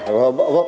kita belakang yuk